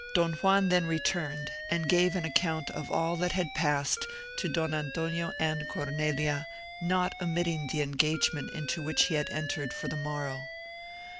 Don Juan then returned, and gave an account of all that had passed to Don Antonio and Cornelia, not omitting the engagement into which he had entered for the morrow.